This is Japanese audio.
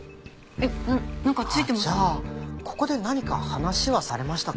あっじゃあここで何か話はされましたか？